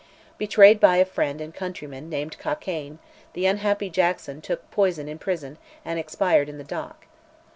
Betrayed by a friend and countryman, named Cockayne, the unhappy Jackson took poison in prison, and expired in the dock.